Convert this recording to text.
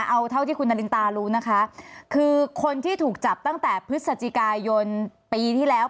เอาเท่าที่คุณนารินตารู้นะคะคือคนที่ถูกจับตั้งแต่พฤศจิกายนปีที่แล้ว